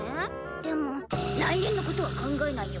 でも来年のことは考えないよ。